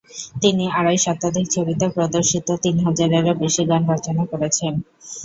তিনি আড়াই শতাধিক ছবিতে প্রদর্শিত তিন হাজারেরও বেশি গান রচনা করেছেন।